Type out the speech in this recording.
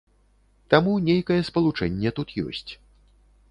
Таму нейкае спалучэнне тут ёсць.